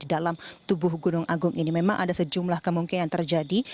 dalam tubuh gunung agung ini memang ada sejumlah kemungkinan terjadi